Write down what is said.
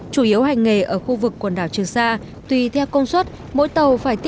chủ yếu hành nghề ở khu vực quần đảo trường sa tùy theo công suất